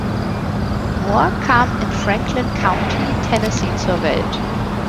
Moore kam im Franklin County, Tennessee, zur Welt.